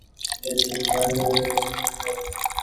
বিশেষ করে সুইজারল্যান্ডের বিপক্ষে প্রথম ম্যাচের পর।